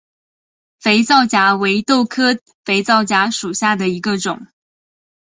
肥皂荚为豆科肥皂荚属下的一个种。